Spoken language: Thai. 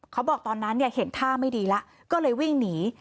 เขาบอกตอนนั้นเห็นท่าไม่ดีแล้วก็เลยวิ่งหนี